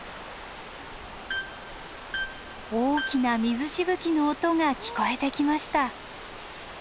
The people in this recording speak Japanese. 大きな水しぶきの音が聞こえてきました。